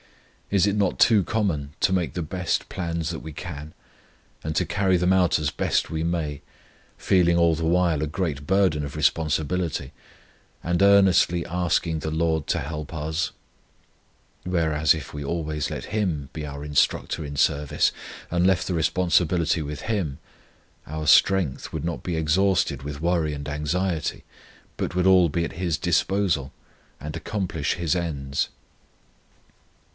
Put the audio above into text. Is it not too common to make the best plans that we can, and to carry them out as best we may, feeling all the while a great burden of responsibility, and earnestly asking the LORD to help us? Whereas if we always let Him be our Instructor in service, and left the responsibility with Him, our strength would not be exhausted with worry and anxiety, but would all be at His disposal, and accomplish His ends.